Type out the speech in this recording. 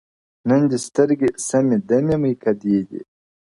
نن دي سترګي سمي دمي میکدې دي .